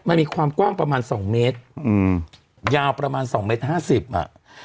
มันมีความกว้างประมาณสองเมตรอืมยาวประมาณสองเมตรห้าสิบอ่ะ